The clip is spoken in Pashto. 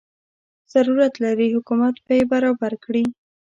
ضرورت لري حکومت به یې برابر کړي.